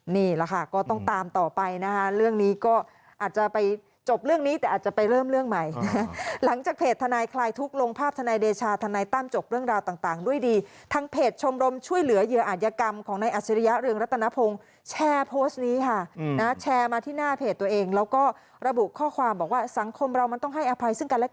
นี่แหละค่ะก็ต้องตามต่อไปนะคะเรื่องนี้ก็อาจจะไปจบเรื่องนี้แต่อาจจะไปเริ่มเรื่องใหม่นะหลังจากเพจทนายคลายทุกข์ลงภาพทนายเดชาทนายตั้มจบเรื่องราวต่างด้วยดีทางเพจชมรมช่วยเหลือเหยื่ออาจยกรรมของนายอัจฉริยะเรืองรัตนพงศ์แชร์โพสต์นี้ค่ะนะแชร์มาที่หน้าเพจตัวเองแล้วก็ระบุข้อความบอกว่าสังคมเรามันต้องให้อภัยซึ่งกันและ